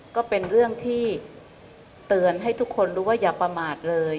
ก็เป็นเรื่องที่เตือนให้ทุกคนรู้ว่าอย่าประมาทเลย